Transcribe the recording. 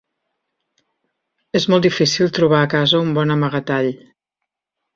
És molt difícil trobar a casa un bon amagatall.